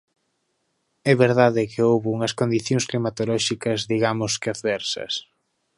É verdade que houbo unhas condicións climatolóxicas digamos que adversas.